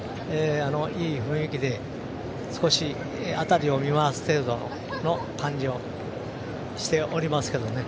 いい雰囲気で、少し辺りを見回す程度の感じをしておりますけどね。